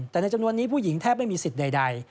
แต่ในจำนวนนี้ผู้หญิงแทบไม่มีสิทธิ์ใด